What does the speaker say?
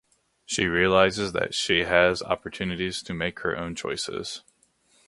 She realizes that she has opportunities to make her own choices.